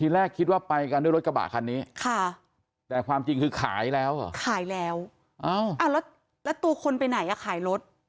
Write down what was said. แล้วตัวคนไปไหนขายรถ